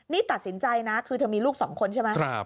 นี่ตัดสินใจนะคือเธอมีลูก๒คนใช่ไหม